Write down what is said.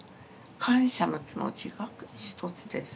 感謝の気持ちが一つです。